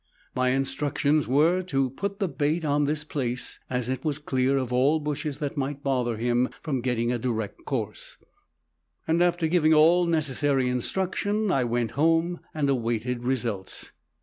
My instructions were to put the bait on this place, as it was clear of all bushes that might bother him from getting a direct course, and after giving all necessary instruction I went home and awaited results.